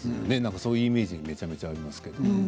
そういうイメージがめちゃめちゃあるんですけれど。